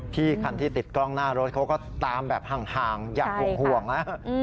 คันที่ติดกล้องหน้ารถเขาก็ตามแบบห่างอย่างห่วงนะ